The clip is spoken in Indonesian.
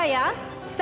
saya mengucapkan salaman